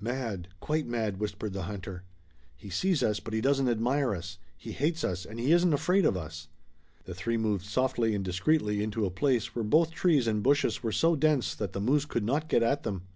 "Mad! Quite mad!" whispered the hunter. "He sees us, but he doesn't admire us. He hates us, and he isn't afraid of us." The three moved softly and discreetly into a place where both trees and bushes were so dense that the moose could not get at them.